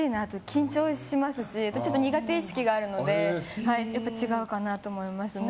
緊張しますしちょっと苦手意識があるのでやっぱり違うかなと思いますね。